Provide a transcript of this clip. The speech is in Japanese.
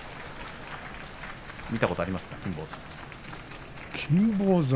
見たことありますか金峰山。